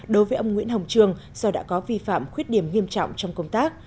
đối với ông nguyễn hồng trường do đã có vi phạm khuyết điểm nghiêm trọng trong công tác